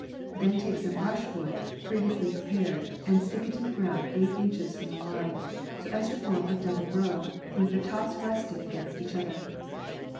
Then take some brush wood previously prepared, and stick it in the ground eight inches from the line, so as to form a double row, with the tops resting against each other.